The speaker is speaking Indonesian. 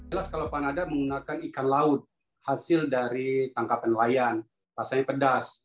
jelas kalau panada menggunakan ikan laut hasil dari tangkapan layan rasanya pedas